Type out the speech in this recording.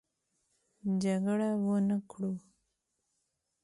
جګړه ونه کړو.